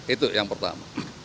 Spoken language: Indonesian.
itu yang pertama